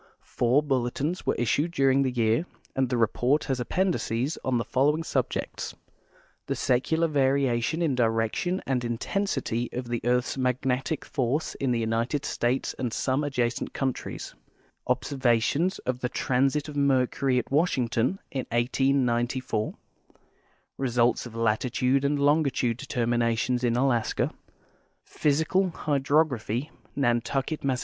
Four bulletins were issued during the year and the report has appendices on the following subjects : The Secular Variation in Direction and Intensity of the Earth's Magnetic Force in the United States and Some Adjacent Countries ; Ob servations of the Transit of Mercury at Washington in 1894 ; Results of Latitude and Longitude Determinations in Alaska ; Physical Hydrog raphy, Nantucket, Mass.